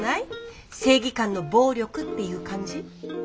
正義感の暴力っていう感じ？